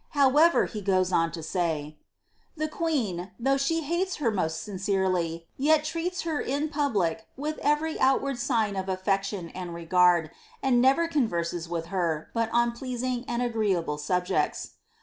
However, he goes on to say, ^ The queen, though she hates her most sincferely, yet treats her in public with every outward sign of af* fection and regard, and never converses with her, but on pleasing and agreeable subjects.''